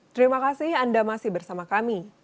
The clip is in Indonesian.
terima kasih anda masih bersama kami